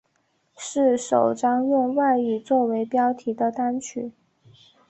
是首张用外语作为标题的单曲。